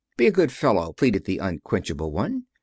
"Be a good fellow," pleaded the unquenchable one.